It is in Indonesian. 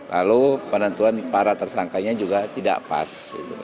lalu penentuan para tersangkanya juga tidak pas